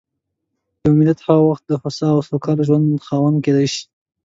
یو ملت هغه وخت د هوسا او سوکاله ژوند خاوند کېدای شي.